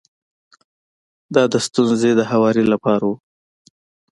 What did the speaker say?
دا د ستونزې د هواري لپاره و.